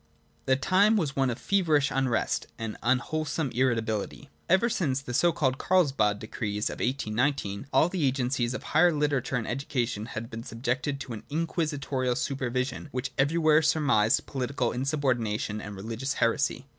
The time was one of feverish unrest and unwhole some irritability. Ever since the so called Carlsbad decrees of 1819 all the agencies of the higher literature and education had been subjected to an inquisitorial supervision which everywhere surmised political insub ordination and religious heresy.